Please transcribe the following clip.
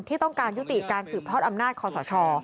ที่ต้องการยุติการสืบทอดอำนาจคอสช